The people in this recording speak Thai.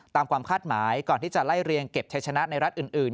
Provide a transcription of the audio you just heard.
ความคาดหมายก่อนที่จะไล่เรียงเก็บชัยชนะในรัฐอื่น